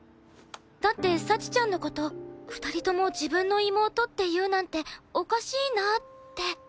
だって幸ちゃんの事２人とも自分の妹って言うなんておかしいなって。